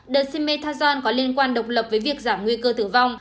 dexamethasone có liên quan độc lập với việc giảm nguy cơ tử vong